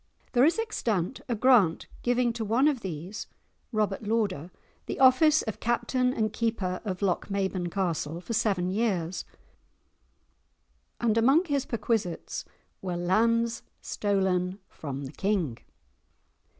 There is extant a grant giving to one of these, Robert Lauder, the office of Captain and Keeper of Lochmaben Castle for seven years, and among his perquisites were "lands stolen from the King"!